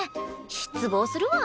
失望するわ。